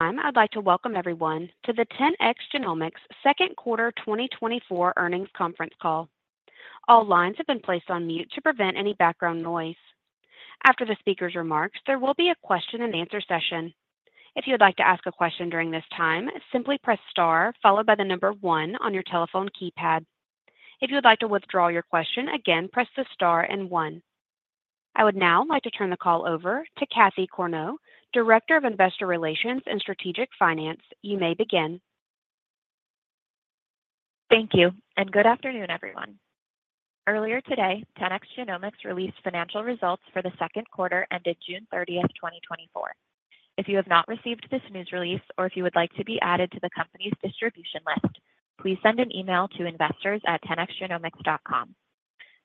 I'd like to welcome everyone to the 10x Genomics Second Quarter earnings conference call. All lines have been placed on mute to prevent any background noise. After the speaker's remarks, there will be a question and answer session. If you would like to ask a question during this time, simply press star, followed by the number one on your telephone keypad. If you would like to withdraw your question, again, press the star and one. I would now like to turn the call over to Cassie Corneau, Director of Investor Relations and Strategic Finance. You may begin. Thank you, and good afternoon, everyone. Earlier today, 10x Genomics released financial results for the second quarter, ended June 30, 2024. If you have not received this news release or if you would like to be added to the company's distribution list, please send an email to investors at 10xgenomics.com.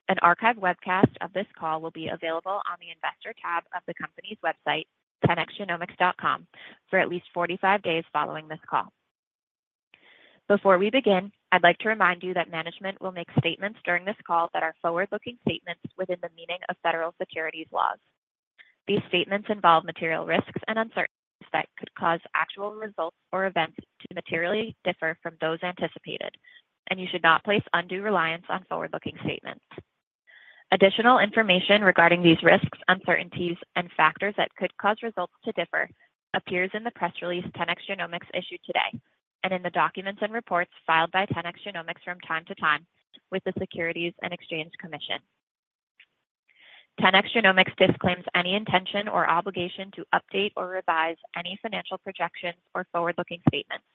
An archive webcast of this call will be available on the Investor tab of the company's website, 10xgenomics.com, for at least 45 days following this call. Before we begin, I'd like to remind you that management will make statements during this call that are forward-looking statements within the meaning of federal securities laws. These statements involve material risks and uncertainties that could cause actual results or events to materially differ from those anticipated, and you should not place undue reliance on forward-looking statements. Additional information regarding these risks, uncertainties, and factors that could cause results to differ appears in the press release 10x Genomics issued today, and in the documents and reports filed by 10x Genomics from time to time with the Securities and Exchange Commission. 10x Genomics disclaims any intention or obligation to update or revise any financial projections or forward-looking statements,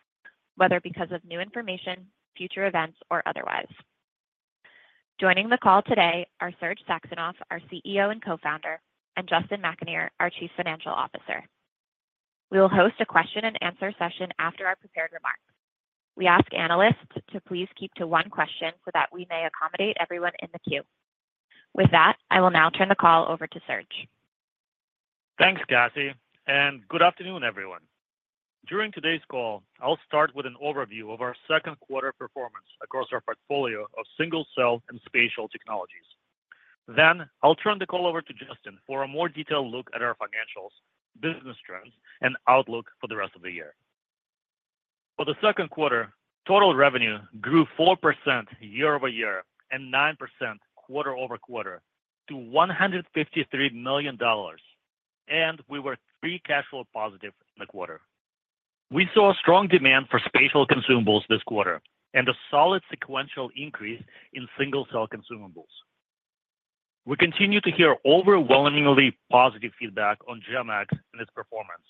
whether because of new information, future events, or otherwise. Joining the call today are Serge Saxonov, our CEO and Co-founder, and Justin McAnear, our Chief Financial Officer. We will host a question and answer session after our prepared remarks. We ask analysts to please keep to one question so that we may accommodate everyone in the queue. With that, I will now turn the call over to Serge. Thanks, Cassie, and good afternoon, everyone. During today's call, I'll start with an overview of our second quarter performance across our portfolio of single-cell and spatial technologies. Then, I'll turn the call over to Justin for a more detailed look at our financials, business trends, and outlook for the rest of the year. For the second quarter, total revenue grew 4% year-over-year and 9% quarter-over-quarter to $153 million, and we were free cash flow positive in the quarter. We saw strong demand for spatial consumables this quarter and a solid sequential increase in single-cell consumables. We continue to hear overwhelmingly positive feedback on GEM-X and its performance,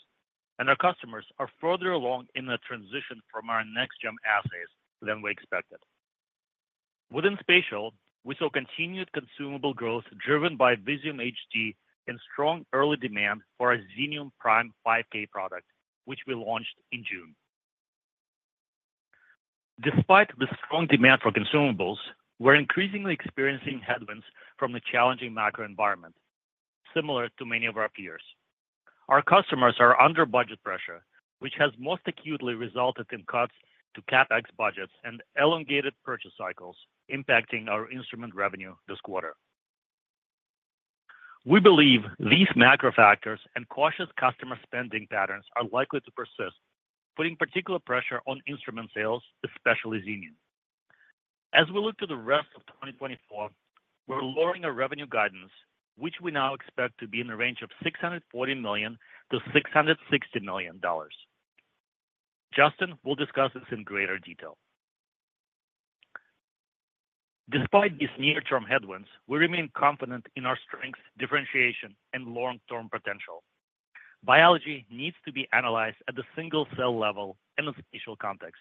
and our customers are further along in the transition from our Next GEM assays than we expected. Within spatial, we saw continued consumable growth, driven by Visium HD and strong early demand for our Xenium Prime 5K product, which we launched in June. Despite the strong demand for consumables, we're increasingly experiencing headwinds from the challenging macro environment, similar to many of our peers. Our customers are under budget pressure, which has most acutely resulted in cuts to CapEx budgets and elongated purchase cycles, impacting our instrument revenue this quarter. We believe these macro factors and cautious customer spending patterns are likely to persist, putting particular pressure on instrument sales, especially Xenium. As we look to the rest of 2024, we're lowering our revenue guidance, which we now expect to be in the range of $640 million-$660 million. Justin will discuss this in greater detail. Despite these near-term headwinds, we remain confident in our strengths, differentiation, and long-term potential. Biology needs to be analyzed at the single-cell level in a spatial context.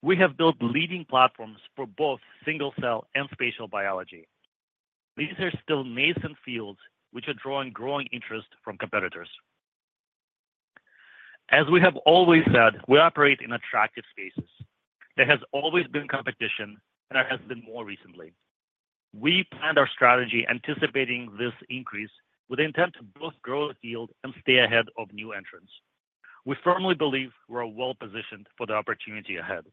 We have built leading platforms for both single-cell and spatial biology. These are still nascent fields, which are drawing growing interest from competitors. As we have always said, we operate in attractive spaces. There has always been competition, and there has been more recently. We planned our strategy anticipating this increase with intent to both grow the field and stay ahead of new entrants. We firmly believe we're well positioned for the opportunity ahead.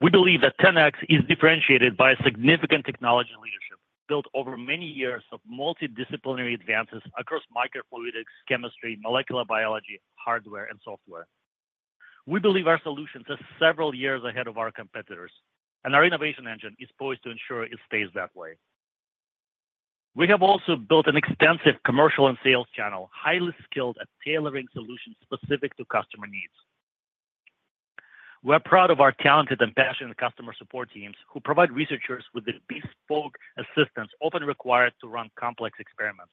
We believe that 10x is differentiated by significant technology leadership, built over many years of multidisciplinary advances across microfluidics, chemistry, molecular biology, hardware, and software. We believe our solutions are several years ahead of our competitors, and our innovation engine is poised to ensure it stays that way. We have also built an extensive commercial and sales channel, highly skilled at tailoring solutions specific to customer needs. We're proud of our talented and passionate customer support teams, who provide researchers with the bespoke assistance often required to run complex experiments.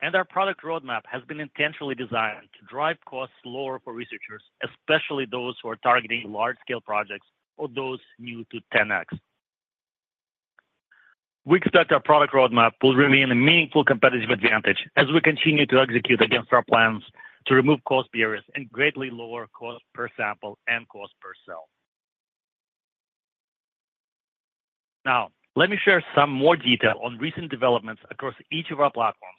Our product roadmap has been intentionally designed to drive costs lower for researchers, especially those who are targeting large-scale projects or those new to 10x. We expect our product roadmap will remain a meaningful competitive advantage as we continue to execute against our plans to remove cost barriers and greatly lower cost per sample and cost per cell. Now, let me share some more detail on recent developments across each of our platforms,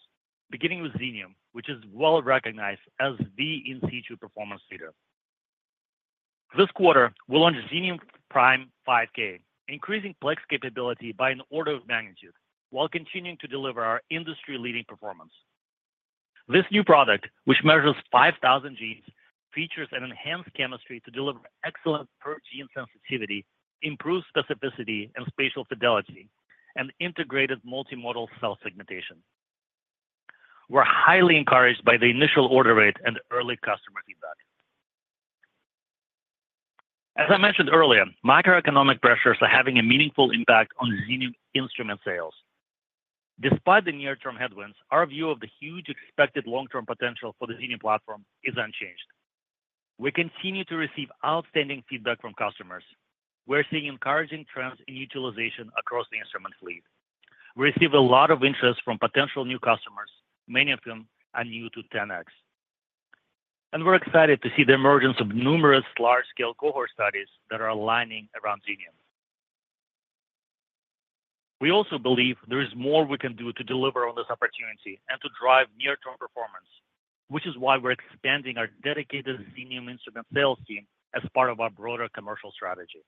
beginning with Xenium, which is well recognized as the in situ performance leader.... This quarter, we launched Xenium Prime 5K, increasing plex capability by an order of magnitude, while continuing to deliver our industry-leading performance. This new product, which measures 5,000 genes, features an enhanced chemistry to deliver excellent per-gene sensitivity, improved specificity and spatial fidelity, and integrated multimodal cell segmentation. We're highly encouraged by the initial order rate and early customer feedback. As I mentioned earlier, macroeconomic pressures are having a meaningful impact on Xenium instrument sales. Despite the near-term headwinds, our view of the huge expected long-term potential for the Xenium platform is unchanged. We continue to receive outstanding feedback from customers. We're seeing encouraging trends in utilization across the instrument fleet. We receive a lot of interest from potential new customers, many of them are new to 10x. We're excited to see the emergence of numerous large-scale cohort studies that are aligning around Xenium. We also believe there is more we can do to deliver on this opportunity and to drive near-term performance, which is why we're expanding our dedicated Xenium instrument sales team as part of our broader commercial strategy.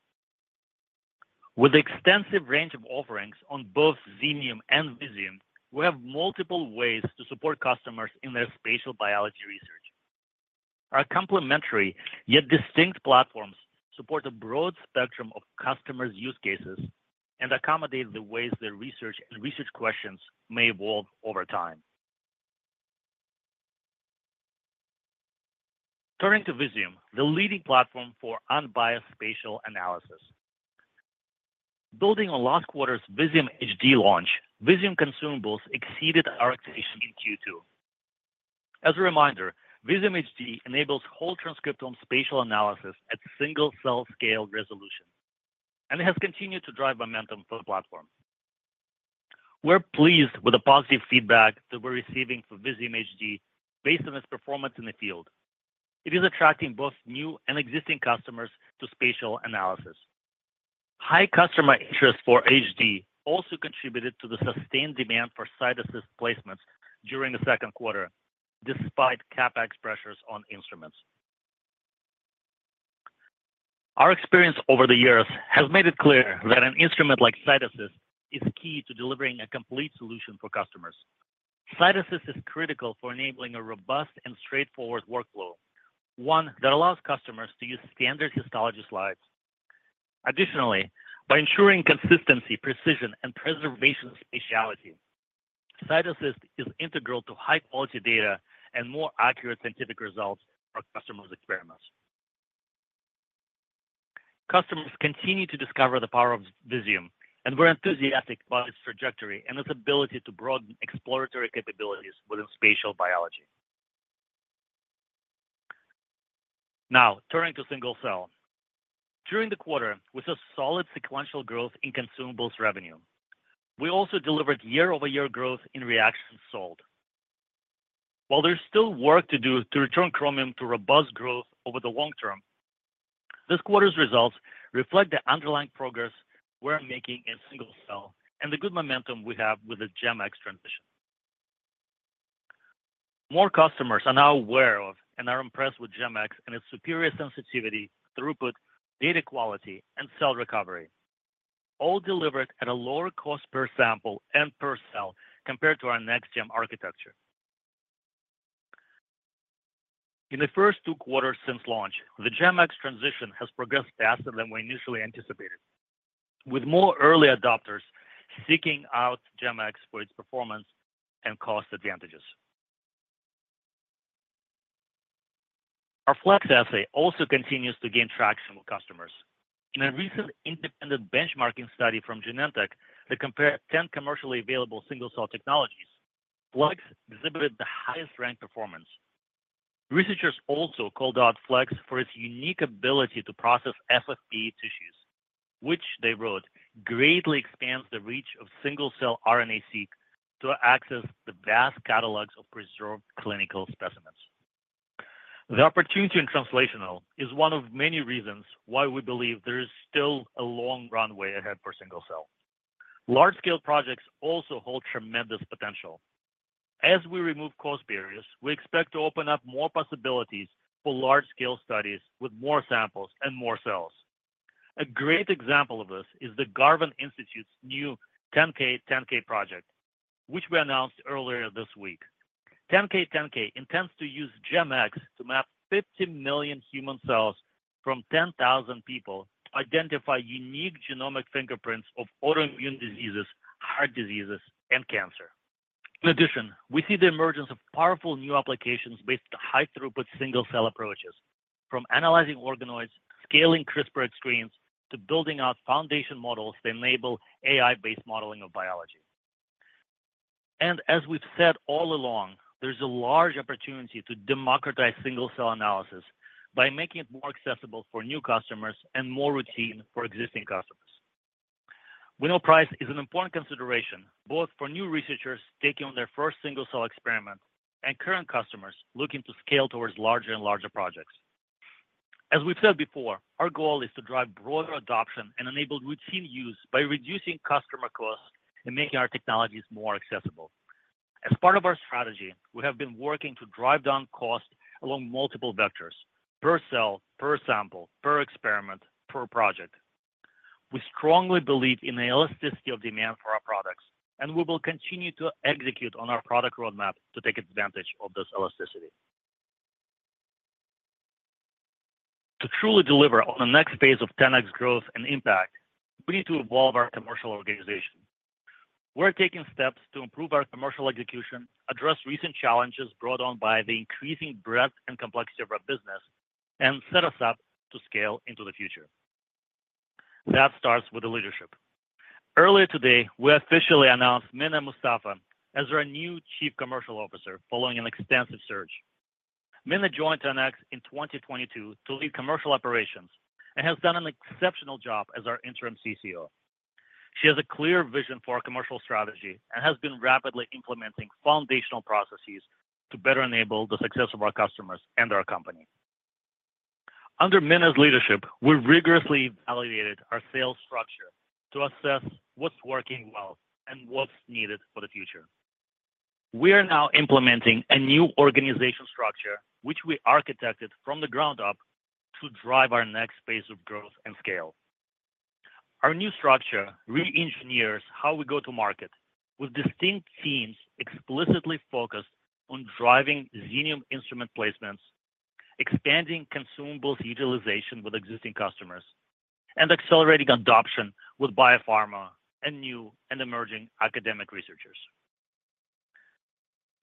With the extensive range of offerings on both Xenium and Visium, we have multiple ways to support customers in their spatial biology research. Our complementary, yet distinct platforms, support a broad spectrum of customers' use cases and accommodate the ways their research and research questions may evolve over time. Turning to Visium, the leading platform for unbiased spatial analysis. Building on last quarter's Visium HD launch, Visium consumables exceeded our expectations in Q2. As a reminder, Visium HD enables whole transcriptome spatial analysis at single-cell scale resolution, and has continued to drive momentum for the platform. We're pleased with the positive feedback that we're receiving for Visium HD based on its performance in the field. It is attracting both new and existing customers to spatial analysis. High customer interest for HD also contributed to the sustained demand for CytAssist placements during the second quarter, despite CapEx pressures on instruments. Our experience over the years has made it clear that an instrument like CytAssist is key to delivering a complete solution for customers. CytAssist is critical for enabling a robust and straightforward workflow, one that allows customers to use standard histology slides. Additionally, by ensuring consistency, precision, and preservation of spatiality, CytAssist is integral to high-quality data and more accurate scientific results for our customers' experiments. Customers continue to discover the power of Visium, and we're enthusiastic about its trajectory and its ability to broaden exploratory capabilities within spatial biology. Now, turning to single-cell. During the quarter, we saw solid sequential growth in consumables revenue. We also delivered year-over-year growth in reactions sold. While there's still work to do to return Chromium to robust growth over the long term, this quarter's results reflect the underlying progress we're making in single-cell and the good momentum we have with the GemX transition. More customers are now aware of and are impressed with GemX and its superior sensitivity, throughput, data quality, and cell recovery, all delivered at a lower cost per sample and per cell compared to our NextGEM architecture. In the first two quarters since launch, the GemX transition has progressed faster than we initially anticipated, with more early adopters seeking out GemX for its performance and cost advantages. Our FLEX assay also continues to gain traction with customers. In a recent independent benchmarking study from Genentech, that compared 10 commercially available single-cell technologies, FLEX exhibited the highest ranked performance. Researchers also called out FLEX for its unique ability to process FFPE tissues, which they wrote, "Greatly expands the reach of single-cell RNA seq to access the vast catalogs of preserved clinical specimens." The opportunity in translational is one of many reasons why we believe there is still a long runway ahead for single-cell. Large-scale projects also hold tremendous potential. As we remove cost barriers, we expect to open up more possibilities for large-scale studies with more samples and more cells. A great example of this is the Garvan Institute's new TenK10K project, which we announced earlier this week. TenK10K intends to use GEM-X to map 50 million human cells from 10,000 people to identify unique genomic fingerprints of autoimmune diseases, heart diseases, and cancer. In addition, we see the emergence of powerful new applications based on high-throughput single-cell approaches, from analyzing organoids, scaling CRISPR screens, to building out foundation models that enable AI-based modeling of biology. As we've said all along, there's a large opportunity to democratize single-cell analysis by making it more accessible for new customers and more routine for existing customers. We know price is an important consideration, both for new researchers taking on their first single-cell experiment and current customers looking to scale towards larger and larger projects. As we've said before, our goal is to drive broader adoption and enable routine use by reducing customer costs and making our technologies more accessible.... As part of our strategy, we have been working to drive down costs along multiple vectors, per cell, per sample, per experiment, per project. We strongly believe in the elasticity of demand for our products, and we will continue to execute on our product roadmap to take advantage of this elasticity. To truly deliver on the next phase of 10x growth and impact, we need to evolve our commercial organization. We're taking steps to improve our commercial execution, address recent challenges brought on by the increasing breadth and complexity of our business, and set us up to scale into the future. That starts with the leadership. Earlier today, we officially announced Mennah Moustafa as our new Chief Commercial Officer following an extensive search. Mennah joined 10x in 2022 to lead commercial operations, and has done an exceptional job as our interim CCO. She has a clear vision for our commercial strategy and has been rapidly implementing foundational processes to better enable the success of our customers and our company. Under Mennah's leadership, we rigorously validated our sales structure to assess what's working well and what's needed for the future. We are now implementing a new organizational structure, which we architected from the ground up to drive our next phase of growth and scale. Our new structure reengineers how we go to market, with distinct teams explicitly focused on driving Xenium instrument placements, expanding consumables utilization with existing customers, and accelerating adoption with biopharma and new and emerging academic researchers.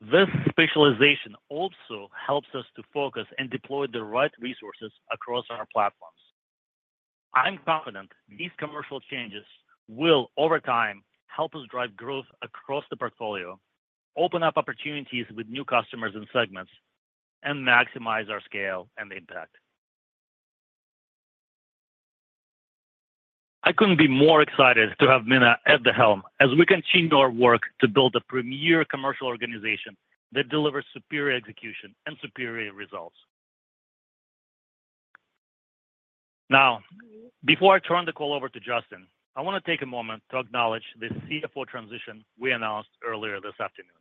This specialization also helps us to focus and deploy the right resources across our platforms. I'm confident these commercial changes will, over time, help us drive growth across the portfolio, open up opportunities with new customers and segments, and maximize our scale and impact. I couldn't be more excited to have Mina at the helm as we continue our work to build a premier commercial organization that delivers superior execution and superior results. Now, before I turn the call over to Justin, I want to take a moment to acknowledge the CFO transition we announced earlier this afternoon.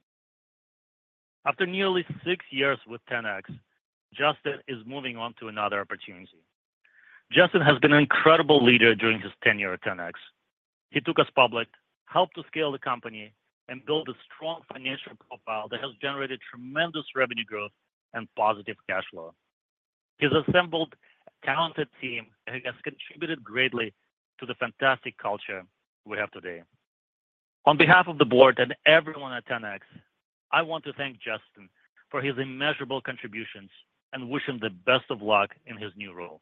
After nearly 6 years with 10x, Justin is moving on to another opportunity. Justin has been an incredible leader during his tenure at 10x. He took us public, helped to scale the company, and build a strong financial profile that has generated tremendous revenue growth and positive cash flow. He's assembled a talented team, and he has contributed greatly to the fantastic culture we have today. On behalf of the board and everyone at 10x, I want to thank Justin for his immeasurable contributions and wish him the best of luck in his new role.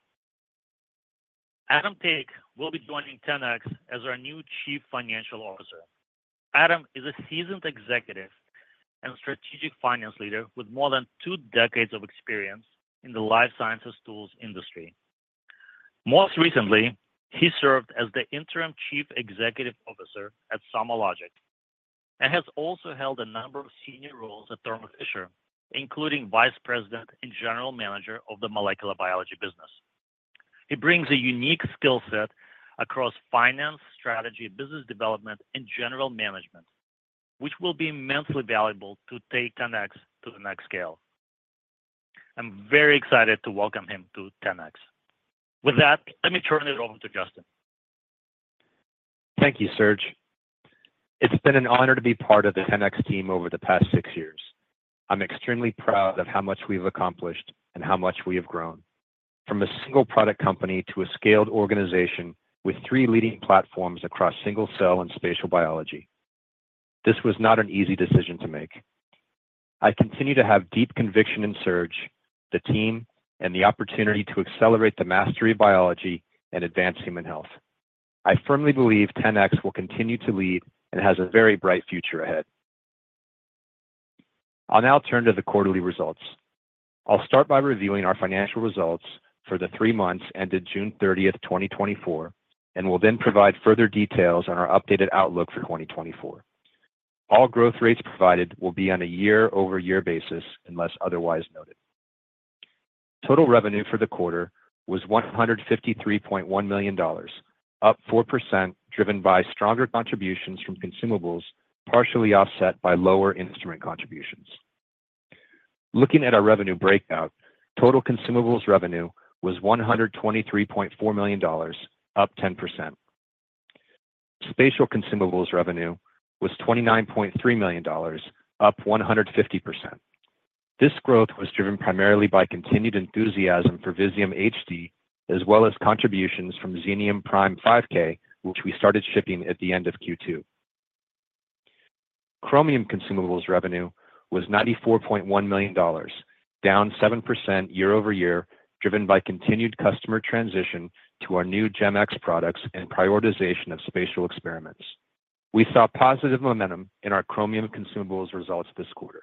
Adam Taich will be joining 10x as our new Chief Financial Officer. Adam is a seasoned executive and strategic finance leader with more than two decades of experience in the life sciences tools industry. Most recently, he served as the Interim Chief Executive Officer at SomaLogic, and has also held a number of senior roles at Thermo Fisher, including Vice President and General Manager of the Molecular Biology Business. He brings a unique skill set across finance, strategy, business development, and general management, which will be immensely valuable to take 10x to the next scale. I'm very excited to welcome him to 10x. With that, let me turn it over to Justin. Thank you, Serge. It's been an honor to be part of the 10x team over the past six years. I'm extremely proud of how much we've accomplished and how much we have grown. From a single product company to a scaled organization with three leading platforms across single-cell and spatial biology. This was not an easy decision to make. I continue to have deep conviction in Serge, the team, and the opportunity to accelerate the mastery of biology and advance human health. I firmly believe 10x will continue to lead and has a very bright future ahead. I'll now turn to the quarterly results. I'll start by reviewing our financial results for the three months ended June 30, 2024, and will then provide further details on our updated outlook for 2024. All growth rates provided will be on a year-over-year basis, unless otherwise noted. Total revenue for the quarter was $153.1 million, up 4%, driven by stronger contributions from consumables, partially offset by lower instrument contributions. Looking at our revenue breakout, total consumables revenue was $123.4 million, up 10%. Spatial consumables revenue was $29.3 million, up 150%. This growth was driven primarily by continued enthusiasm for Visium HD, as well as contributions from Xenium Prime 5K, which we started shipping at the end of Q2. Chromium consumables revenue was $94.1 million, down 7% year-over-year, driven by continued customer transition to our new GEM-X products and prioritization of spatial experiments. We saw positive momentum in our Chromium consumables results this quarter.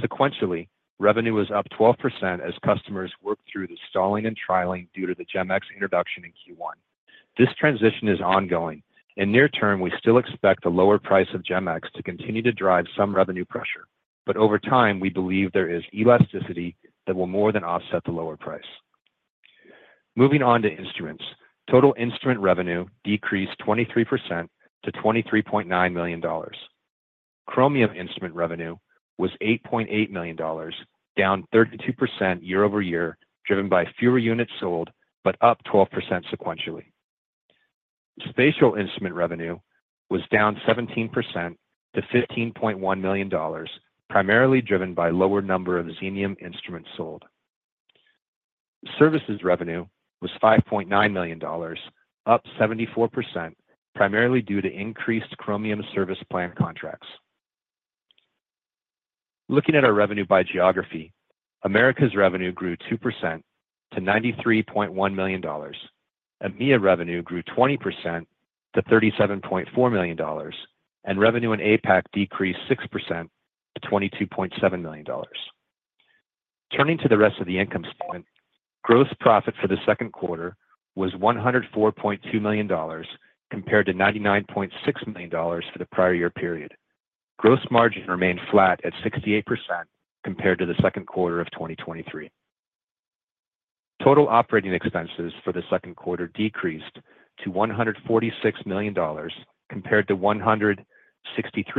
Sequentially, revenue was up 12% as customers worked through the stalling and trialing due to the GEM-X introduction in Q1. This transition is ongoing. In near term, we still expect the lower price of GEM-X to continue to drive some revenue pressure, but over time, we believe there is elasticity that will more than offset the lower price.... Moving on to instruments. Total instrument revenue decreased 23% to $23.9 million. Chromium instrument revenue was $8.8 million, down 32% year over year, driven by fewer units sold, but up 12% sequentially. Spatial instrument revenue was down 17% to $15.1 million, primarily driven by lower number of Xenium instruments sold. Services revenue was $5.9 million, up 74%, primarily due to increased Chromium service plan contracts. Looking at our revenue by geography, Americas revenue grew 2% to $93.1 million. EMEA revenue grew 20% to $37.4 million, and revenue in APAC decreased 6% to $22.7 million. Turning to the rest of the income statement, gross profit for the second quarter was $104.2 million, compared to $99.6 million for the prior year period. Gross margin remained flat at 68% compared to the second quarter of 2023. Total operating expenses for the second quarter decreased to $146 million, compared to $163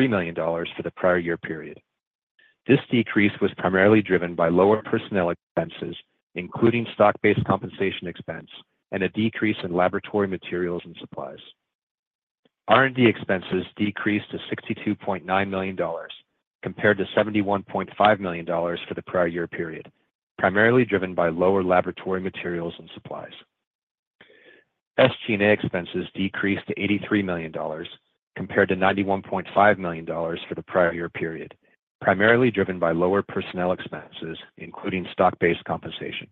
million for the prior year period. This decrease was primarily driven by lower personnel expenses, including stock-based compensation expense and a decrease in laboratory materials and supplies. R&D expenses decreased to $62.9 million, compared to $71.5 million for the prior year period, primarily driven by lower laboratory materials and supplies. SG&A expenses decreased to $83 million, compared to $91.5 million for the prior year period, primarily driven by lower personnel expenses, including stock-based compensation.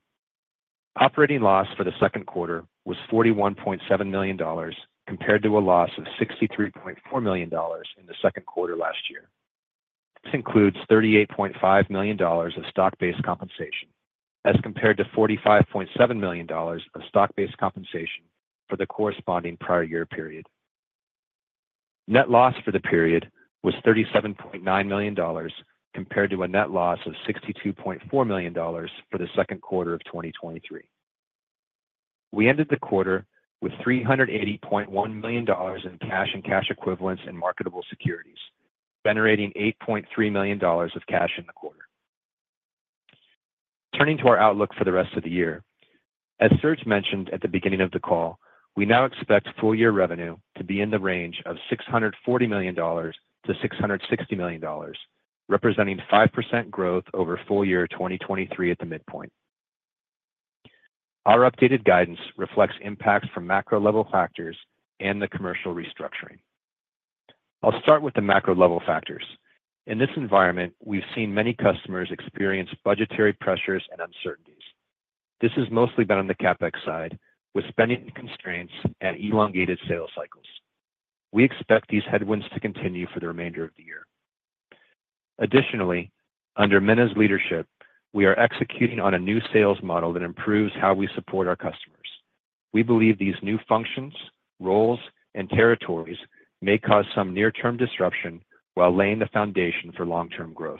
Operating loss for the second quarter was $41.7 million, compared to a loss of $63.4 million in the second quarter last year. This includes $38.5 million of stock-based compensation, as compared to $45.7 million of stock-based compensation for the corresponding prior year period. Net loss for the period was $37.9 million, compared to a net loss of $62.4 million for the second quarter of 2023. We ended the quarter with $380.1 million in cash and cash equivalents and marketable securities, generating $8.3 million of cash in the quarter. Turning to our outlook for the rest of the year, as Serge mentioned at the beginning of the call, we now expect full year revenue to be in the range of $640 million-$660 million, representing 5% growth over full year 2023 at the midpoint. Our updated guidance reflects impacts from macro level factors and the commercial restructuring. I'll start with the macro level factors. In this environment, we've seen many customers experience budgetary pressures and uncertainties. This has mostly been on the CapEx side, with spending constraints and elongated sales cycles. We expect these headwinds to continue for the remainder of the year. Additionally, under Mennah's leadership, we are executing on a new sales model that improves how we support our customers. We believe these new functions, roles, and territories may cause some near-term disruption while laying the foundation for long-term growth.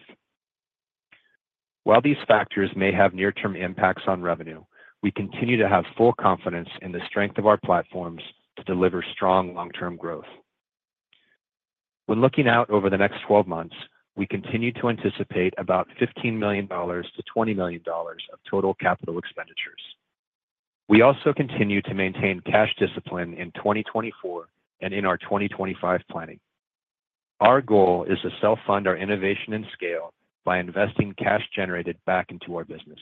While these factors may have near-term impacts on revenue, we continue to have full confidence in the strength of our platforms to deliver strong long-term growth. When looking out over the next 12 months, we continue to anticipate about $15 million-$20 million of total capital expenditures. We also continue to maintain cash discipline in 2024 and in our 2025 planning. Our goal is to self-fund our innovation and scale by investing cash generated back into our business.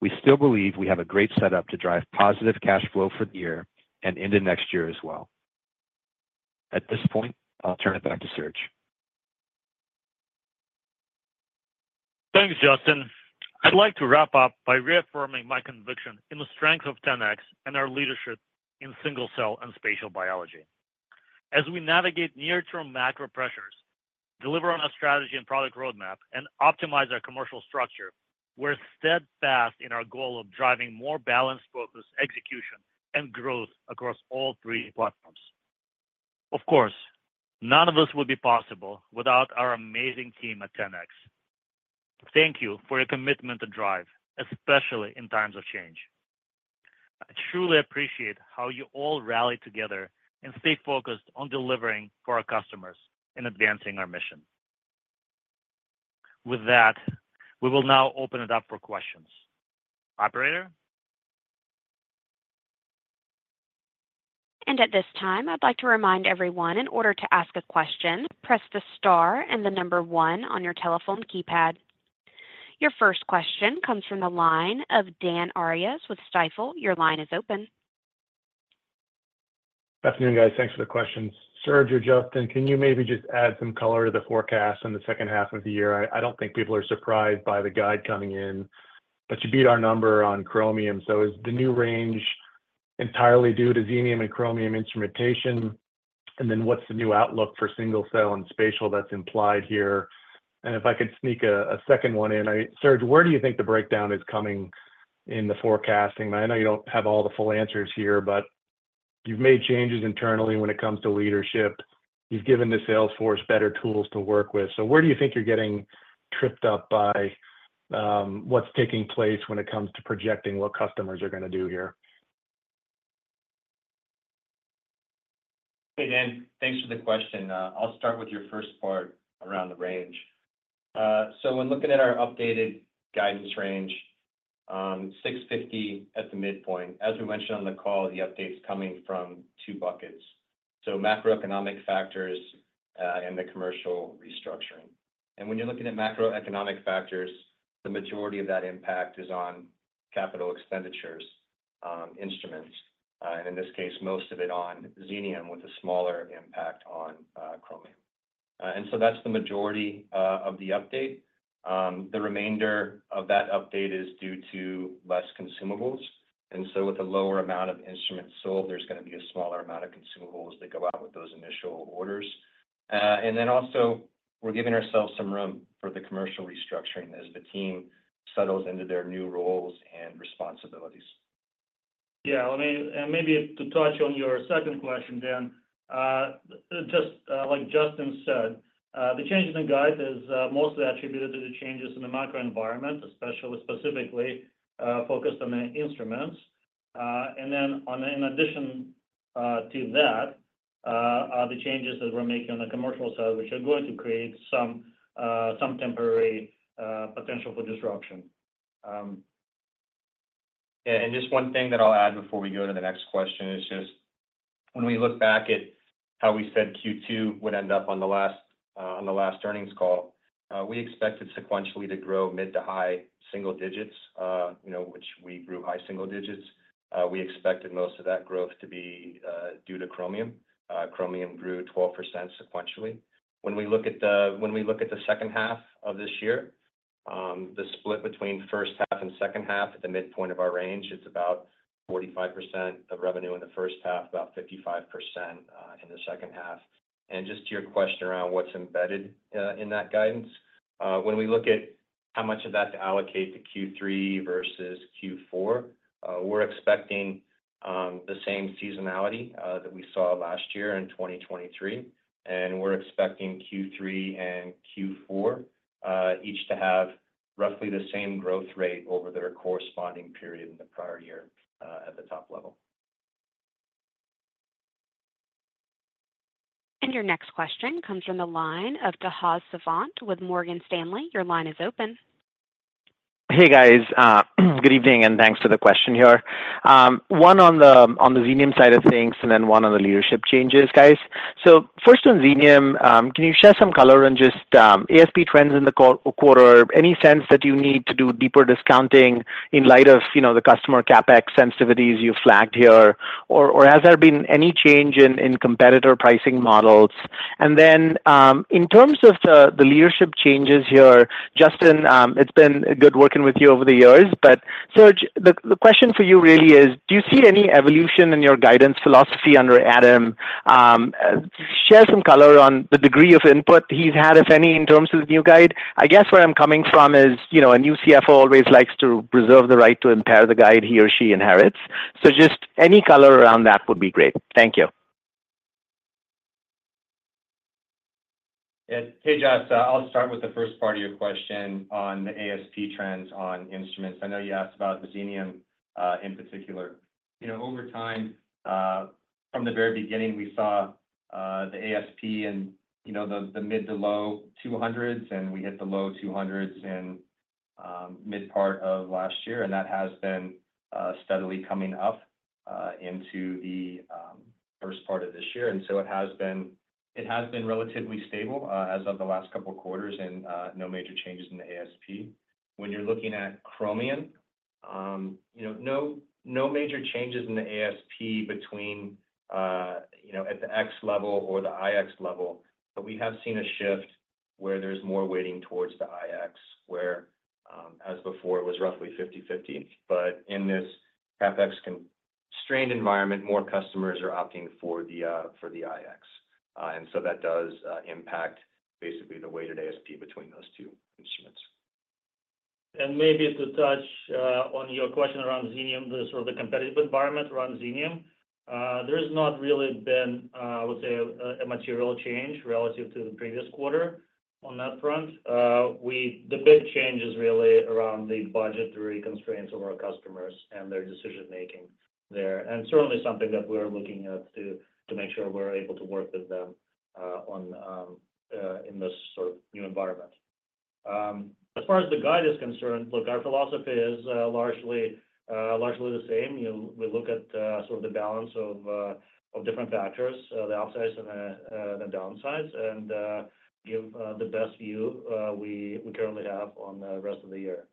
We still believe we have a great setup to drive positive cash flow for the year and into next year as well. At this point, I'll turn it back to Serge. Thanks, Justin. I'd like to wrap up by reaffirming my conviction in the strength of 10x and our leadership in single-cell and spatial biology. As we navigate near-term macro pressures, deliver on our strategy and product roadmap, and optimize our commercial structure, we're steadfast in our goal of driving more balanced, focused execution and growth across all three platforms. Of course, none of this would be possible without our amazing team at 10x. Thank you for your commitment to drive, especially in times of change. I truly appreciate how you all rally together and stay focused on delivering for our customers and advancing our mission. With that, we will now open it up for questions. Operator? At this time, I'd like to remind everyone, in order to ask a question, press the star and the number one on your telephone keypad. Your first question comes from the line of Dan Arias with Stifel. Your line is open. Good afternoon, guys. Thanks for the questions. Serge or Justin, can you maybe just add some color to the forecast on the second half of the year? I don't think people are surprised by the guide coming in, but you beat our number on Chromium. So is the new range entirely due to Xenium and Chromium instrumentation? And then what's the new outlook for single-cell and spatial that's implied here? And if I could sneak a second one in. I... Serge, where do you think the breakdown is coming in the forecasting? I know you don't have all the full answers here, but- You've made changes internally when it comes to leadership. You've given the sales force better tools to work with. Where do you think you're getting tripped up by what's taking place when it comes to projecting what customers are gonna do here? Hey, Dan. Thanks for the question. I'll start with your first part around the range. So when looking at our updated guidance range, 650 at the midpoint, as we mentioned on the call, the update's coming from two buckets, so macroeconomic factors and the commercial restructuring. And when you're looking at macroeconomic factors, the majority of that impact is on capital expenditures, instruments, and in this case, most of it on Xenium, with a smaller impact on Chromium. And so that's the majority of the update. The remainder of that update is due to less consumables, and so with a lower amount of instruments sold, there's gonna be a smaller amount of consumables that go out with those initial orders. And then also, we're giving ourselves some room for the commercial restructuring as the team settles into their new roles and responsibilities. Yeah, let me—and maybe to touch on your second question, Dan, just, like Justin said, the changes in guide is mostly attributed to the changes in the macro environment, especially, specifically, focused on the instruments. And then, in addition to that, are the changes that we're making on the commercial side, which are going to create some temporary potential for disruption. Yeah, and just one thing that I'll add before we go to the next question is just, when we look back at how we said Q2 would end up on the last earnings call, we expected sequentially to grow mid- to high-single digits, you know, which we grew high single digits. We expected most of that growth to be due to Chromium. Chromium grew 12% sequentially. When we look at the second half of this year, the split between first half and second half at the midpoint of our range, it's about 45% of revenue in the first half, about 55%, in the second half. Just to your question around what's embedded in that guidance, when we look at how much of that to allocate to Q3 versus Q4, we're expecting the same seasonality that we saw last year in 2023, and we're expecting Q3 and Q4 each to have roughly the same growth rate over their corresponding period in the prior year at the top level. And your next question comes from the line of Tejas Savant with Morgan Stanley. Your line is open. Hey, guys, good evening, and thanks for the question here. One on the, on the Xenium side of things, and then one on the leadership changes, guys. So first on Xenium, can you share some color on just, ASP trends in the quarter? Any sense that you need to do deeper discounting in light of, you know, the customer CapEx sensitivities you flagged here? Or has there been any change in competitor pricing models? And then, in terms of the leadership changes here, Justin, it's been good working with you over the years, but Serge, the question for you really is: do you see any evolution in your guidance philosophy under Adam? Share some color on the degree of input he's had, if any, in terms of the new guide. I guess where I'm coming from is, you know, a new CFO always likes to preserve the right to impair the guide he or she inherits. So just any color around that would be great. Thank you. Yeah. Hey, Tejas. I'll start with the first part of your question on the ASP trends on instruments. I know you asked about the Xenium, in particular. You know, over time, from the very beginning, we saw, the ASP and, you know, the, the mid- to low $200s, and we hit the low $200s in, mid part of last year, and that has been, steadily coming up, into the, first part of this year. And so it has been, it has been relatively stable, as of the last couple of quarters, and, no major changes in the ASP. When you're looking at Chromium, you know, no, no major changes in the ASP between, you know, at the X level or the iX level, but we have seen a shift where there's more weighting towards the iX, where, as before, it was roughly 50/50. But in this CapEx constrained environment, more customers are opting for the, for the iX. And so that does, impact basically the weighted ASP between those two instruments. And maybe to touch on your question around Xenium, the sort of competitive environment around Xenium, there's not really been, I would say, a material change relative to the previous quarter on that front. The big change is really around the budgetary constraints of our customers and their decision-making there, and certainly something that we're looking at to make sure we're able to work with them on in this sort of new environment. As far as the guide is concerned, look, our philosophy is largely the same. You know, we look at sort of the balance of different factors, the upsides and the downsides, and give the best view we currently have on the rest of the year.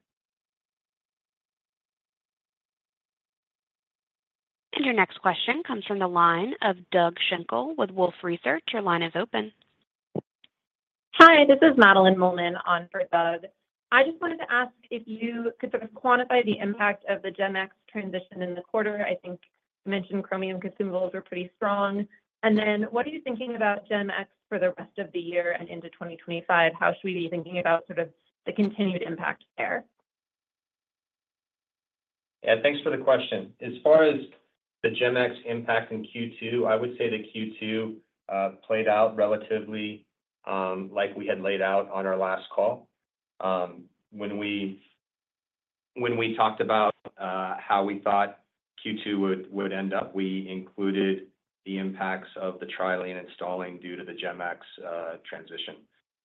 Your next question comes from the line of Doug Schenkel with Wolfe Research. Your line is open. Hi, this is Madeline Mollman on for Doug. I just wanted to ask if you could sort of quantify the impact of the GEM-X transition in the quarter. I think you mentioned Chromium consumables were pretty strong. And then, what are you thinking about GEM-X for the rest of the year and into 2025? How should we be thinking about sort of the continued impact there? Yeah, thanks for the question. As far as the GEM-X impact in Q2, I would say that Q2 played out relatively like we had laid out on our last call. When we talked about how we thought Q2 would end up, we included the impacts of the trialing and installing due to the GEM-X transition.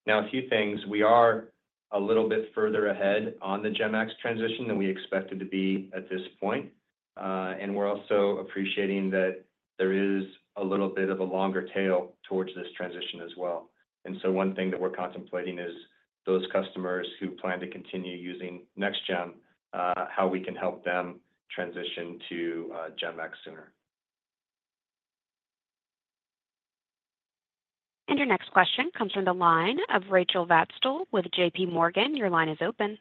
Now, a few things: we are a little bit further ahead on the GEM-X transition than we expected to be at this point, and we're also appreciating that there is a little bit of a longer tail towards this transition as well. And so one thing that we're contemplating is those customers who plan to continue using Next GEM, how we can help them transition to GEM-X sooner. Your next question comes from the line of Rachel Vatnsdal with J.P. Morgan. Your line is open.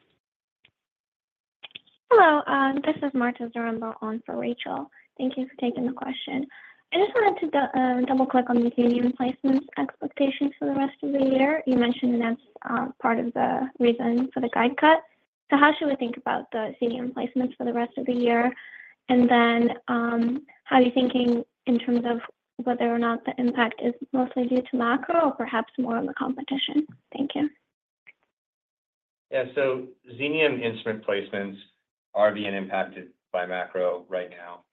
Hello, this is Marta Zaremba on for Rachel. Thank you for taking the question. I just wanted to go, double-click on the Xenium placements expectations for the rest of the year. You mentioned that's part of the reason for the guide cut. So how should we think about the Xenium placements for the rest of the year? And then, how are you thinking in terms of whether or not the impact is mostly due to macro or perhaps more on the competition? Thank you. Yeah. So Xenium instrument placements are being impacted by macro right now.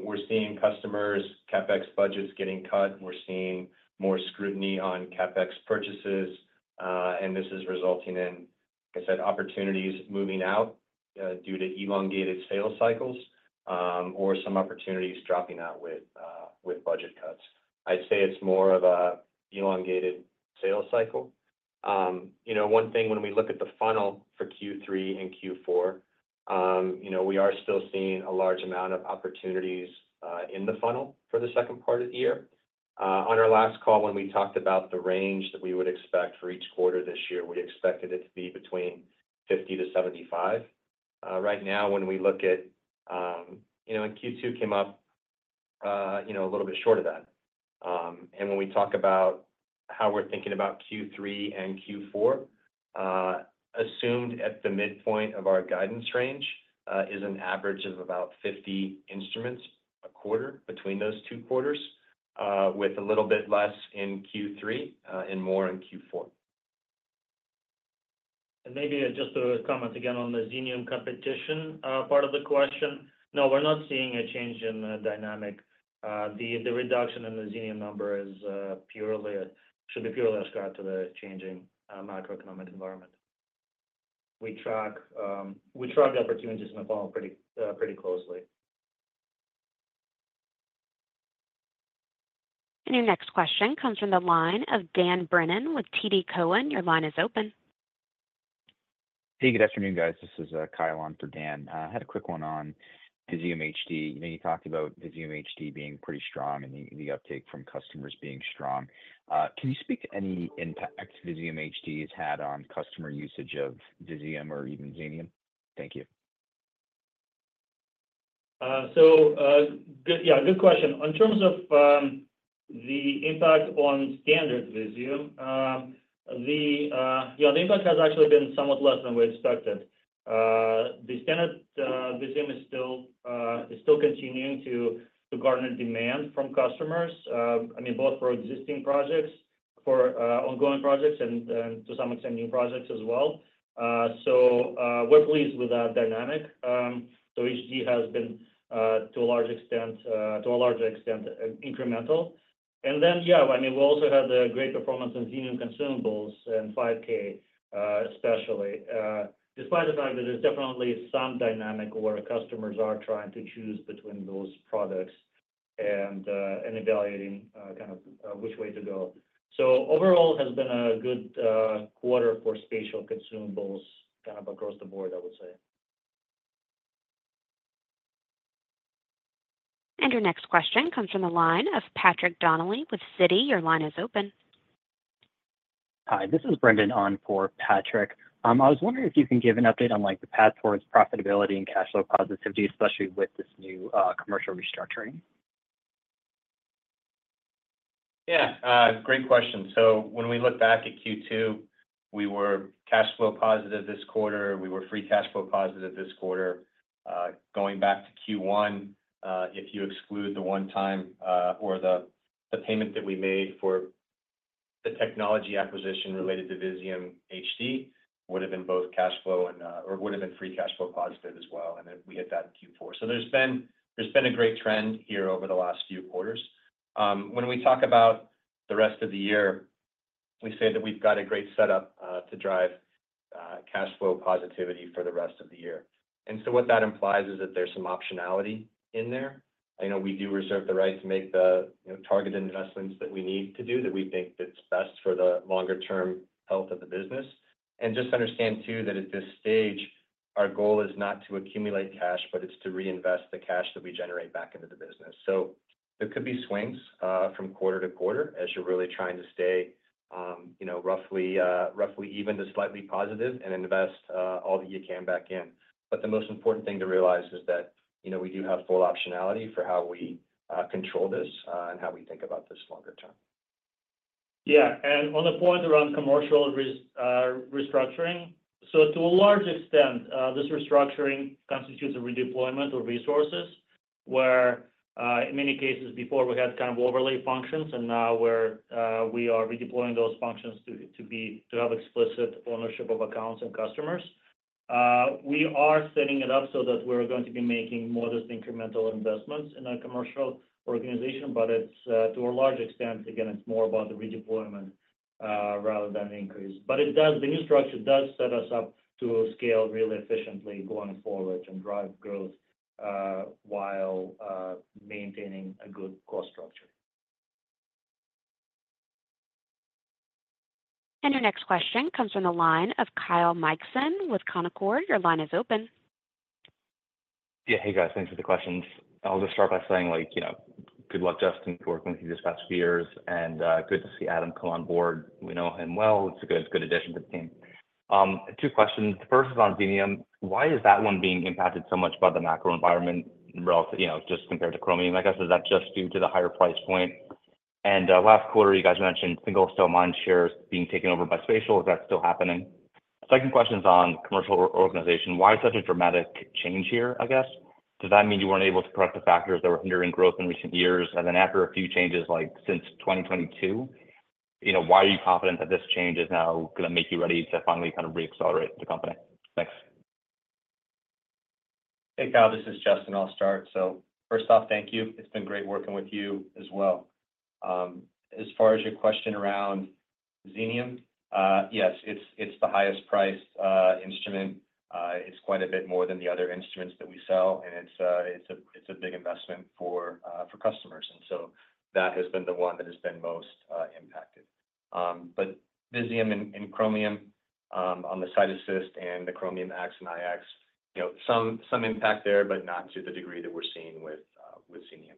We're seeing customers, CapEx budgets getting cut, and we're seeing more scrutiny on CapEx purchases. And this is resulting in, like I said, opportunities moving out, due to elongated sales cycles, or some opportunities dropping out with, with budget cuts. I'd say it's more of a elongated sales cycle. You know, one thing when we look at the funnel for Q3 and Q4, you know, we are still seeing a large amount of opportunities, in the funnel for the second part of the year. On our last call, when we talked about the range that we would expect for each quarter this year, we expected it to be between 50-75. Right now, when we look at... You know, and Q2 came up, you know, a little bit short of that. And when we talk about how we're thinking about Q3 and Q4, assumed at the midpoint of our guidance range, is an average of about 50 instruments a quarter between those two quarters, with a little bit less in Q3, and more in Q4. Maybe just to comment again on the Xenium competition, part of the question. No, we're not seeing a change in the dynamic. The reduction in the Xenium number should be purely ascribed to the changing macroeconomic environment. We track opportunities in the funnel pretty closely. Your next question comes from the line of Dan Brennan with TD Cowen. Your line is open. Hey, good afternoon, guys. This is Kyle on for Dan. Had a quick one on Visium HD. You know, you talked about Visium HD being pretty strong and the uptake from customers being strong. Can you speak to any impact Visium HD has had on customer usage of Visium or even Xenium? Thank you. Yeah, good question. In terms of the impact on standard Visium, the impact has actually been somewhat less than we expected. The standard Visium is still continuing to garner demand from customers. I mean, both for existing projects, for ongoing projects and to some extent, new projects as well. We're pleased with that dynamic. HD has been, to a larger extent, incremental. And then, yeah, I mean, we also have the great performance in Xenium consumables and 5K, especially, despite the fact that there's definitely some dynamic where customers are trying to choose between those products and evaluating kind of which way to go. Overall, it has been a good quarter for spatial consumables, kind of across the board, I would say. Your next question comes from the line of Patrick Donnelly with Citi. Your line is open. Hi, this is Brendan on for Patrick. I was wondering if you can give an update on, like, the path towards profitability and cash flow positivity, especially with this new commercial restructuring? Yeah, great question. So when we look back at Q2, we were cash flow positive this quarter. We were free cash flow positive this quarter. Going back to Q1, if you exclude the one-time, or the payment that we made for the technology acquisition related to Visium HD, would've been both cash flow and, or would've been free cash flow positive as well, and then we hit that in Q4. So there's been a great trend here over the last few quarters. When we talk about the rest of the year, we say that we've got a great setup to drive cash flow positivity for the rest of the year. And so what that implies is that there's some optionality in there. I know we do reserve the right to make the, you know, targeted investments that we need to do, that we think that's best for the longer term health of the business. And just understand, too, that at this stage, our goal is not to accumulate cash, but it's to reinvest the cash that we generate back into the business. So there could be swings from quarter to quarter, as you're really trying to stay, you know, roughly even to slightly positive and invest all that you can back in. But the most important thing to realize is that, you know, we do have full optionality for how we control this, and how we think about this longer term. Yeah, and on the point around commercial resources restructuring, so to a large extent, this restructuring constitutes a redeployment of resources, where in many cases before, we had kind of overlay functions, and now we're redeploying those functions to have explicit ownership of accounts and customers. We are setting it up so that we're going to be making modest incremental investments in our commercial organization, but it's to a large extent, again, it's more about the redeployment rather than increase. But it does... The new structure does set us up to scale really efficiently going forward and drive growth while maintaining a good cost structure. Your next question comes from the line of Kyle Mikson with Canaccord Genuity. Your line is open. Yeah. Hey, guys. Thanks for the questions. I'll just start by saying, like, you know, good luck, Justin, working with you these past few years, and good to see Adam come on board. We know him well. It's a good, good addition to the team. Two questions. First is on Xenium. Why is that one being impacted so much by the macro environment in relative, you know, just compared to Chromium? I guess, is that just due to the higher price point? And last quarter, you guys mentioned single-cell market share being taken over by spatial. Is that still happening? Second question is on commercial organization. Why such a dramatic change here, I guess? Does that mean you weren't able to correct the factors that were hindering growth in recent years, and then after a few changes, like since 2022, you know, why are you confident that this change is now gonna make you ready to finally kind of re-accelerate the company? Thanks. Hey, Kyle, this is Justin. I'll start. So first off, thank you. It's been great working with you as well. As far as your question around Xenium, yes, it's the highest priced instrument. It's quite a bit more than the other instruments that we sell, and it's a big investment for customers, and so that has been the one that has been most impacted. But Visium and Chromium, on the CytAssist and the Chromium X and iX, you know, some impact there, but not to the degree that we're seeing with Xenium.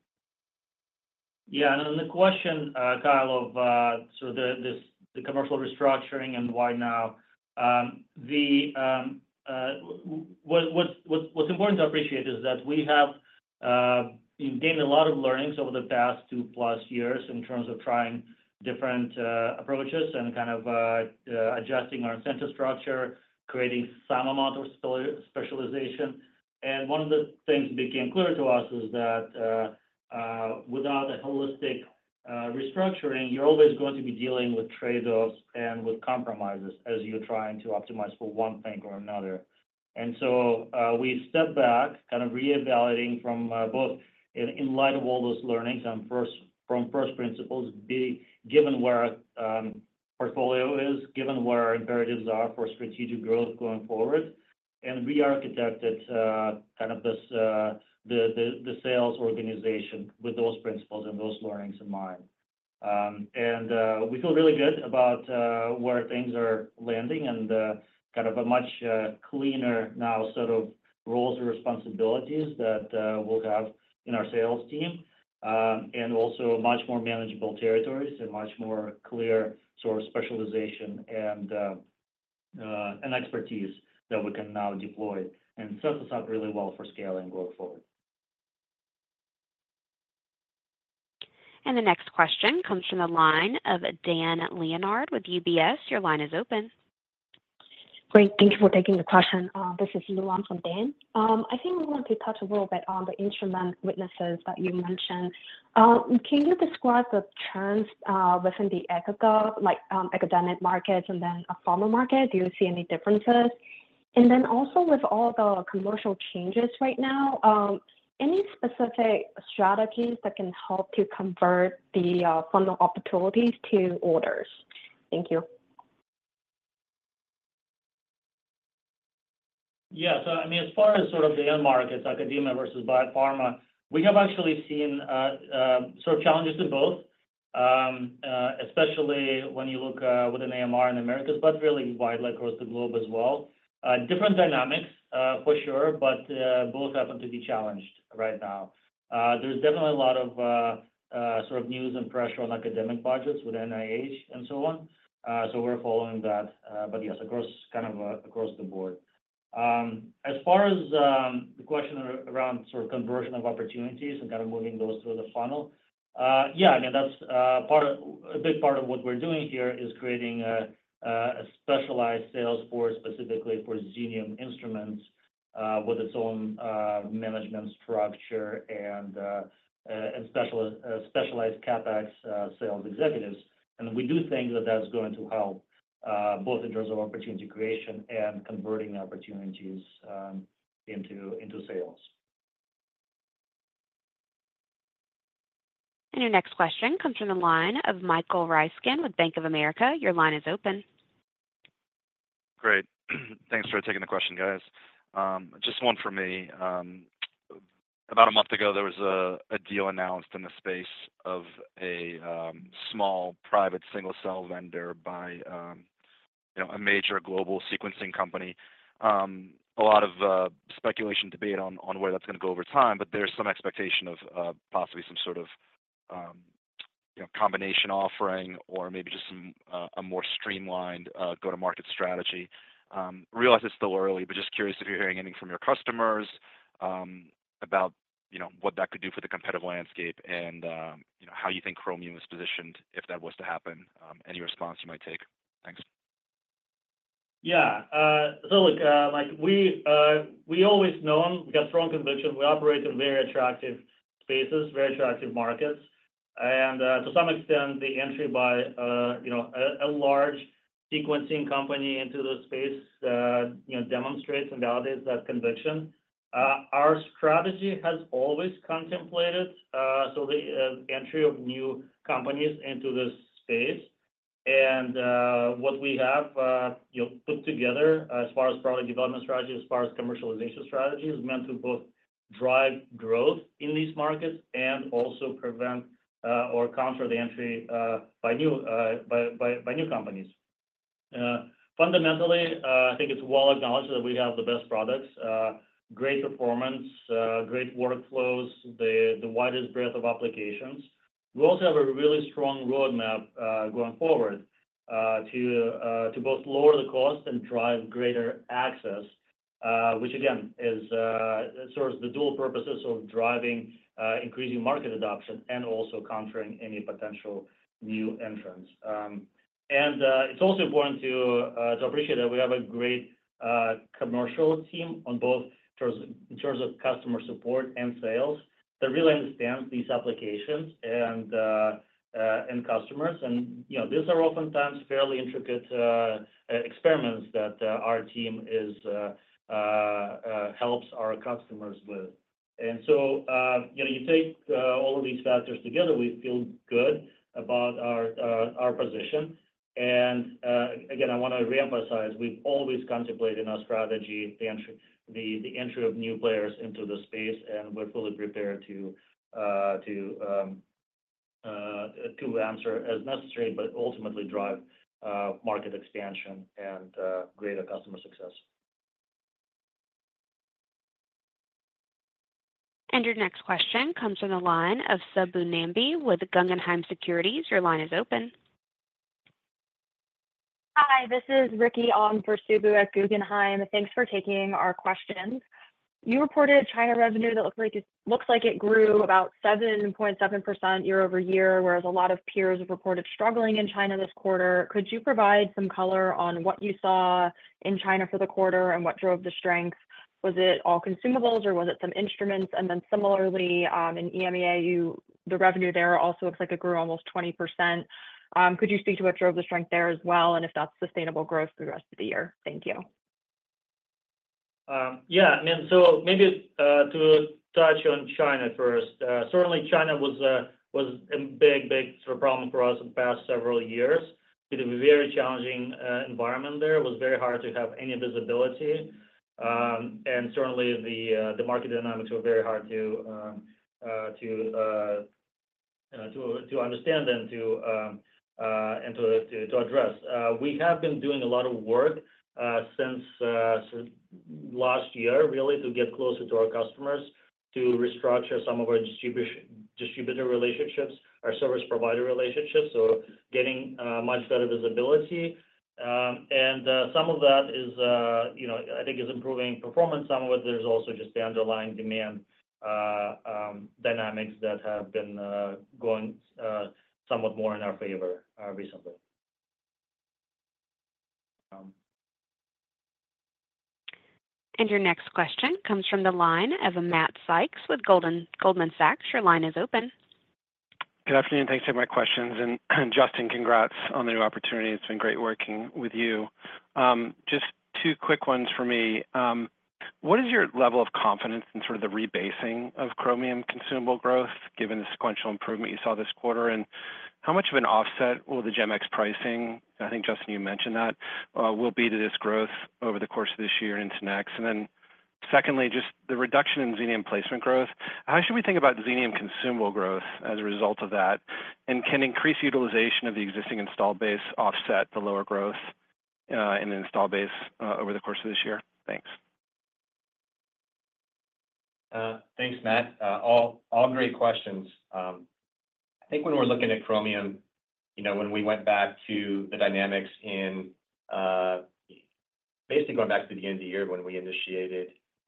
Yeah, and on the question, Kyle, of the commercial restructuring and why now? What's important to appreciate is that we have gained a lot of learnings over the past two-plus years in terms of trying different approaches and kind of adjusting our incentive structure, creating some amount of specialization. And one of the things became clear to us is that without a holistic restructuring, you're always going to be dealing with trade-offs and with compromises as you're trying to optimize for one thing or another. So, we stepped back, kind of re-evaluating from both in light of all those learnings and from first principles, given where our portfolio is, given where our imperatives are for strategic growth going forward, and rearchitected kind of this the sales organization with those principles and those learnings in mind. We feel really good about where things are landing and kind of a much cleaner now sort of roles and responsibilities that we'll have in our sales team. Also much more manageable territories and much more clear sort of specialization and expertise that we can now deploy and sets us up really well for scale and growth forward. The next question comes from the line of Dan Leonard with UBS. Your line is open. Great. Thank you for taking the question. This is Luan from Dan. I think we want to touch a little bit on the instrument business that you mentioned. Can you describe the trends within the academic markets and then a pharma market? Do you see any differences? And then also, with all the commercial changes right now, any specific strategies that can help to convert the funnel opportunities to orders? Thank you. Yeah. So I mean, as far as sort of the end markets, academia versus biopharma, we have actually seen sort of challenges in both, especially when you look within Americas, but really widely across the globe as well. Different dynamics, for sure, but both happen to be challenged right now. There is definitely a lot of sort of news and pressure on academic budgets with NIH and so on. So we're following that. But yes, across kind of across the board. As far as the question around sort of conversion of opportunities and kind of moving those through the funnel, yeah, I mean, that's part of a big part of what we're doing here is creating a specialized sales force, specifically for Xenium Instruments, with its own management structure and specialized CapEx sales executives. And we do think that that's going to help both in terms of opportunity creation and converting opportunities into sales. Your next question comes from the line of Michael Ryskin with Bank of America. Your line is open. Great. Thanks for taking the question, guys. Just one for me. About a month ago, there was a deal announced in the space of a small, private, single-cell vendor by, you know, a major global sequencing company. A lot of speculation, debate on where that's gonna go over time, but there's some expectation of possibly some sort of, you know, combination offering or maybe just some- A more streamlined go-to-market strategy. Realize it's still early, but just curious if you're hearing anything from your customers, about, you know, what that could do for the competitive landscape and, you know, how you think Chromium is positioned if that was to happen, any response you might take? Thanks. Yeah. So look, like we always known, we got strong conviction. We operate in very attractive spaces, very attractive markets. And, to some extent, the entry by, you know, a large sequencing company into the space, you know, demonstrates and validates that conviction. Our strategy has always contemplated, so the entry of new companies into this space. And, what we have, you know, put together as far as product development strategy, as far as commercialization strategy, is meant to both drive growth in these markets and also prevent, or counter the entry, by new companies. Fundamentally, I think it's well acknowledged that we have the best products, great performance, great workflows, the widest breadth of applications. We also have a really strong roadmap going forward to both lower the cost and drive greater access, which again serves the dual purposes of driving increasing market adoption and also countering any potential new entrants. And it's also important to appreciate that we have a great commercial team on both in terms of customer support and sales that really understands these applications and customers. And you know, these are oftentimes fairly intricate experiments that our team helps our customers with. And so you know, you take all of these factors together, we feel good about our position. And, again, I wanna reemphasize, we've always contemplated in our strategy, the entry of new players into the space, and we're fully prepared to answer as necessary, but ultimately drive market expansion and greater customer success. Your next question comes from the line of Subbu Nambi with Guggenheim Securities. Your line is open. Hi, this is Ricki on for Subbu at Guggenheim. Thanks for taking our questions. You reported China revenue that looks like it grew about 7.7% year-over-year, whereas a lot of peers have reported struggling in China this quarter. Could you provide some color on what you saw in China for the quarter and what drove the strength? Was it all consumables or was it some instruments? And then similarly, in EMEA, the revenue there also looks like it grew almost 20%. Could you speak to what drove the strength there as well, and if that's sustainable growth through the rest of the year? Thank you. Yeah. I mean, so maybe to touch on China first. Certainly, China was a, was a big, big sort of problem for us in the past several years, due to a very challenging environment there. It was very hard to have any visibility, and certainly the market dynamics were very hard to understand and to address. We have been doing a lot of work since last year, really, to get closer to our customers, to restructure some of our distributor relationships, our service provider relationships, so getting much better visibility. And some of that is, you know, I think is improving performance. Some of it is also just the underlying demand dynamics that have been going somewhat more in our favor recently. Your next question comes from the line of Matt Sykes with Goldman Sachs. Your line is open. Good afternoon, thanks for taking my questions. Justin, congrats on the new opportunity. It's been great working with you. Just two quick ones for me. What is your level of confidence in sort of the rebasing of Chromium consumable growth, given the sequential improvement you saw this quarter? And how much of an offset will the GEM-X pricing, I think, Justin, you mentioned that, will be to this growth over the course of this year and into next? And then secondly, just the reduction in Xenium placement growth, how should we think about Xenium consumable growth as a result of that? And can increased utilization of the existing installed base offset the lower growth in the installed base over the course of this year? Thanks. Thanks, Matt. All great questions. I think when we're looking at Chromium, you know, when we went back to the dynamics in, basically going back to the end of the year when we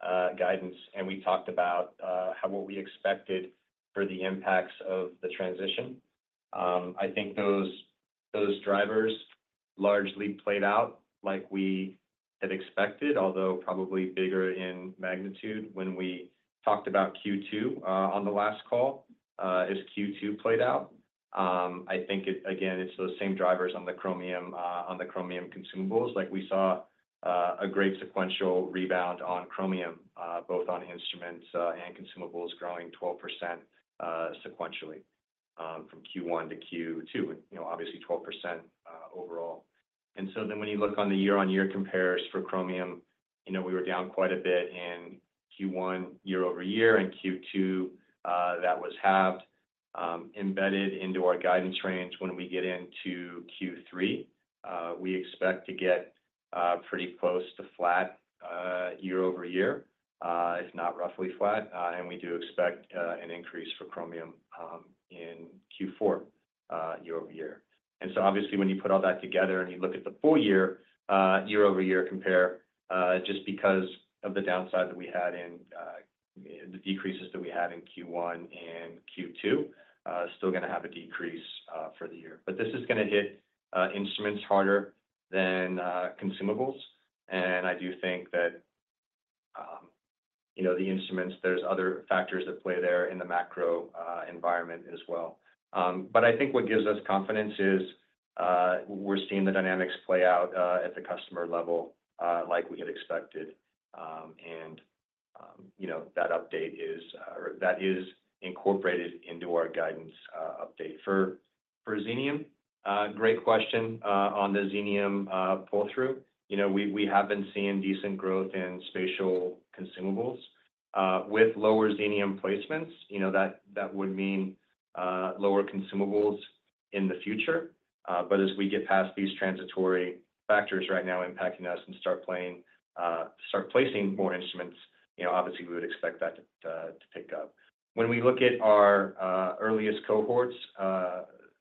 initiated guidance and we talked about, how—what we expected for the impacts of the transition, I think those drivers largely played out like we had expected, although probably bigger in magnitude when we talked about Q2 on the last call as Q2 played out. I think it, again, it's those same drivers on the Chromium on the Chromium consumables. Like, we saw a great sequential rebound on Chromium both on instruments and consumables growing 12% sequentially from Q1 to Q2, and, you know, obviously 12% overall. When you look on the year-over-year compares for Chromium, you know, we were down quite a bit in Q1, year-over-year, and Q2, that was halved. Embedded into our guidance range when we get into Q3, we expect to get pretty close to flat, year-over-year, if not roughly flat. And we do expect an increase for Chromium in Q4, year-over-year. And so obviously, when you put all that together and you look at the full year, year-over-year compare, just because of the downside that we had in the decreases that we had in Q1 and Q2, still gonna have a decrease for the year. But this is gonna hit instruments harder than consumables. I do think that, you know, the instruments, there's other factors at play there in the macro environment as well. But I think what gives us confidence is, we're seeing the dynamics play out at the customer level like we had expected. And you know, that update is or that is incorporated into our guidance update. For Xenium, great question on the Xenium pull-through. You know, we have been seeing decent growth in spatial consumables with lower Xenium placements. You know, that would mean lower consumables in the future. But as we get past these transitory factors right now impacting us and start placing more instruments, you know, obviously, we would expect that to pick up. When we look at our earliest cohorts,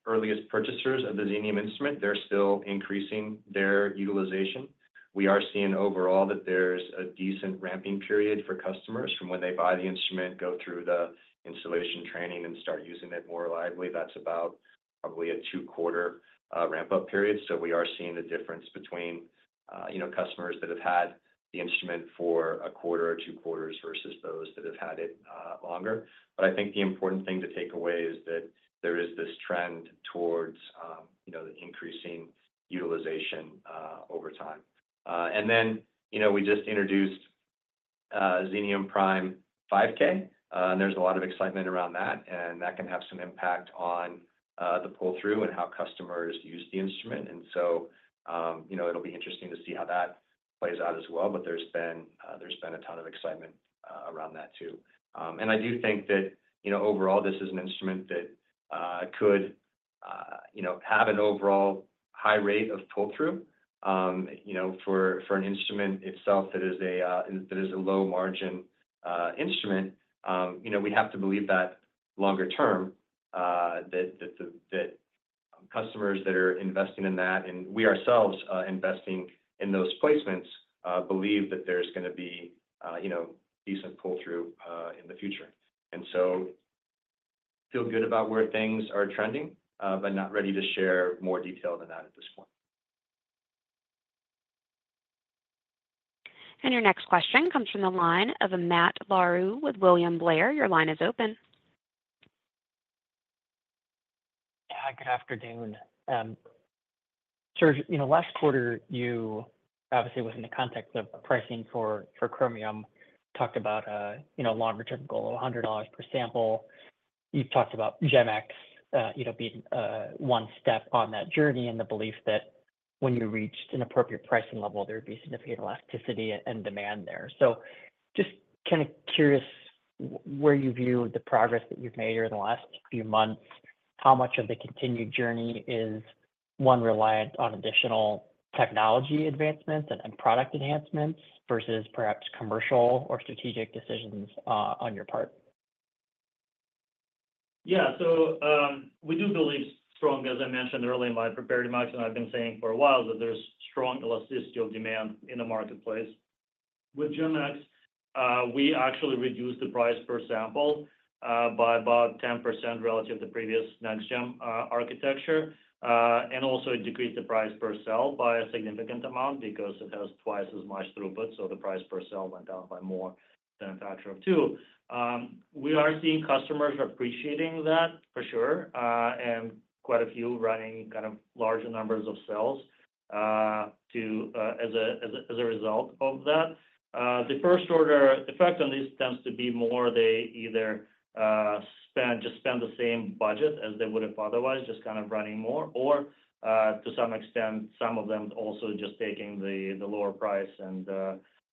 earliest purchasers of the Xenium instrument, they're still increasing their utilization. We are seeing overall that there's a decent ramping period for customers from when they buy the instrument, go through the installation training, and start using it more reliably. That's about probably a two-quarter ramp-up period. So we are seeing the difference between, you know, customers that have had the instrument for a quarter or two quarters versus those that have had it longer. But I think the important thing to take away is that there is this trend towards, you know, the increasing utilization over time. And then, you know, we just introduced Xenium Prime 5K, and there's a lot of excitement around that, and that can have some impact on the pull-through and how customers use the instrument. And so, you know, it'll be interesting to see how that plays out as well, but there's been, there's been a ton of excitement, around that too. And I do think that, you know, overall, this is an instrument that, could, you know, have an overall high rate of pull-through. You know, for, for an instrument itself that is a, that is a low-margin, instrument, you know, we have to believe that longer term, that, that the, that customers that are investing in that, and we ourselves, investing in those placements, believe that there's gonna be, you know, decent pull-through, in the future. And so feel good about where things are trending, but not ready to share more detail than that at this point. Your next question comes from the line of Matt Larew with William Blair. Your line is open. Yeah, good afternoon. Serge, you know, last quarter, you obviously was in the context of pricing for Chromium, talked about, you know, longer-term goal of $100 per sample. You've talked about GEM-X, you know, being one step on that journey and the belief that when you reached an appropriate pricing level, there would be significant elasticity and demand there. So just kinda curious where you view the progress that you've made over the last few months, how much of the continued journey is, one, reliant on additional technology advancements and product enhancements versus perhaps commercial or strategic decisions on your part? Yeah. So, we do believe strong, as I mentioned earlier in my prepared remarks, and I've been saying for a while, that there's strong elasticity of demand in the marketplace. With GemX, we actually reduced the price per sample, by about 10% relative to previous NextGem, architecture. And also it decreased the price per cell by a significant amount because it has twice as much throughput, so the price per cell went down by more than a factor of two. We are seeing customers appreciating that, for sure, and quite a few running kind of larger numbers of cells, to, as a result of that. The first order effect on this tends to be more they either just spend the same budget as they would have otherwise, just kind of running more, or, to some extent, some of them also just taking the lower price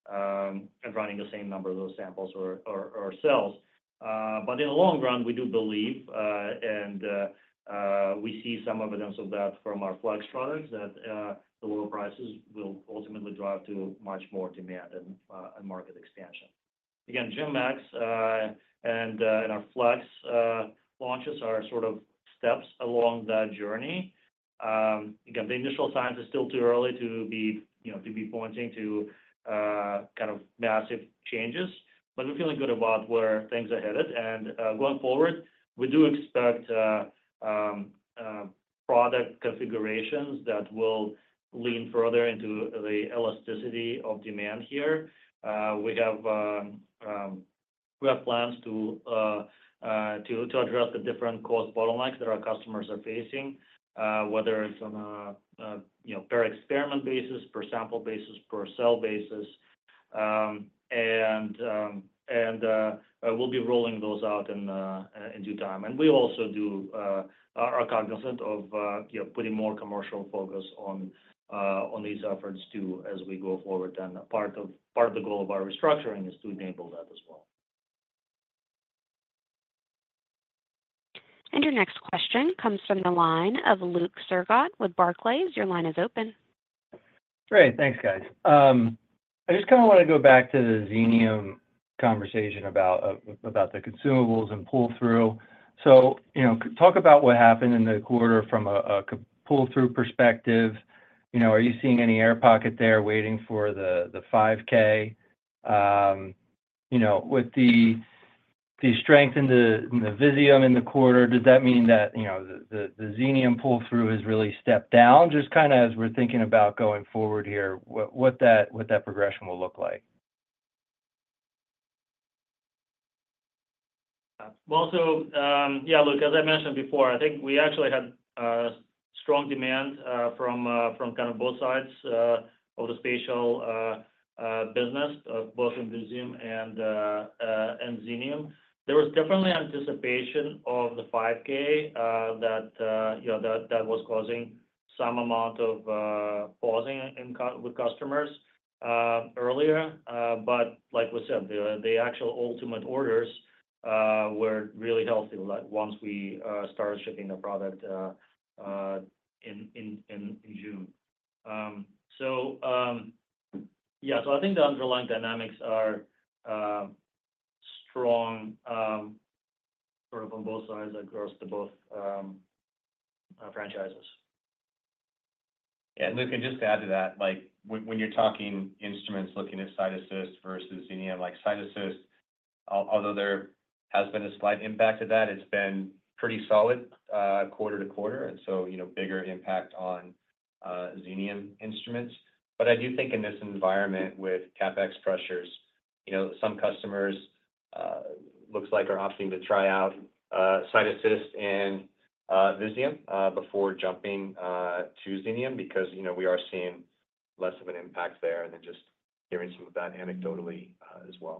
and running the same number of those samples or cells. But in the long run, we do believe and we see some evidence of that from our Flex products that the lower prices will ultimately drive to much more demand and market expansion. Again, GEM-X and our Flex launches are sort of steps along that journey. Again, the initial science is still too early to be, you know, to be pointing to kind of massive changes, but we're feeling good about where things are headed. Going forward, we do expect product configurations that will lean further into the elasticity of demand here. We have plans to address the different cost bottlenecks that our customers are facing, whether it's on a you know per experiment basis, per sample basis, per cell basis. And we'll be rolling those out in due time. And we also are cognizant of you know putting more commercial focus on these efforts, too, as we go forward. And part of the goal of our restructuring is to enable that as well. Your next question comes from the line of Luke Sergott with Barclays. Your line is open. Great. Thanks, guys. I just kinda wanna go back to the Xenium conversation about the consumables and pull-through. So, you know, talk about what happened in the quarter from a pull-through perspective. You know, are you seeing any air pocket there waiting for the 5K? You know, with the strength in the Visium in the quarter, does that mean that, you know, the Xenium pull-through has really stepped down? Just kinda as we're thinking about going forward here, what that progression will look like. Well, so, yeah, Luke, as I mentioned before, I think we actually had strong demand from kind of both sides of the spatial business, both in Visium and Xenium. There was definitely anticipation of the 5K that, you know, that was causing some amount of pausing with customers earlier. But like we said, the actual ultimate orders were really healthy, like, once we started shipping the product in June. So, yeah, so I think the underlying dynamics are strong, sort of on both sides across both franchises. Yeah, Luke, and just to add to that, like, when you're talking instruments, looking at CytAssist versus Xenium, like, CytAssist, although there has been a slight impact to that, it's been pretty solid, quarter to quarter, and so, you know, bigger impact on Xenium instruments. But I do think in this environment with CapEx pressures, you know, some customers looks like are opting to try out CytAssist and Visium before jumping to Xenium because, you know, we are seeing less of an impact there, and then just hearing some of that anecdotally as well.